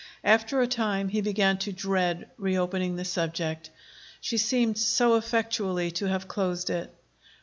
After a time he began to dread reopening the subject. She seemed so effectually to have closed it.